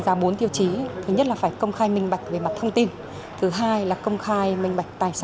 ra bốn tiêu chí thứ nhất là phải công khai minh bạch về mặt thông tin thứ hai là công khai minh bạch tài sản